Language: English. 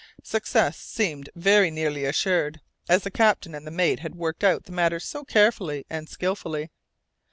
Success seemed very nearly assured, as the captain and the mate had worked out the matter so carefully and skilfully.